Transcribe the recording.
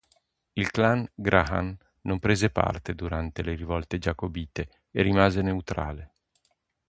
Il Clan Graham non prese parte durante le rivolte giacobite e rimase neutrale.